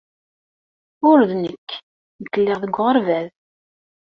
Ur d nekk. Nekk lliɣ deg uɣerbaz.